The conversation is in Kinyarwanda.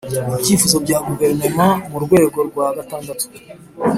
ibyifuzo bya Guverinoma mu rwego rwa gatandatu